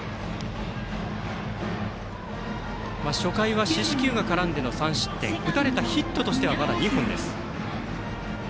初回は四死球が絡んでの３失点打たれたヒットとしてはまだ２本です。